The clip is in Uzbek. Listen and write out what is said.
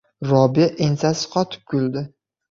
Robiya ensasi qotib kuldi.